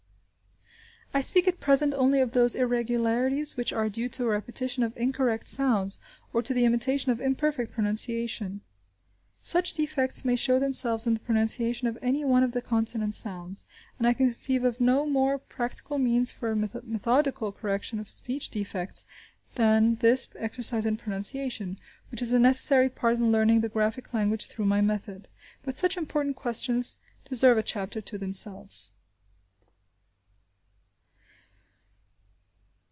I speak at present only of those irregularities which are due to a repetition of incorrect sounds, or to the imitation of imperfect pronunciation. Such defects may show themselves in the pronunciation of any one of the consonant sounds, and I can conceive of no more practical means for a methodical correction of speech defects than this exercise in pronunciation, which is a necessary part in learning the graphic language through my method. But such important questions deserve a chapter to themselves.